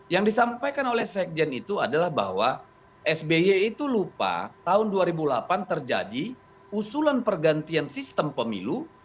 yang disampaikan oleh sekjen itu adalah bahwa sby itu lupa tahun dua ribu delapan terjadi usulan pergantian sistem pemilu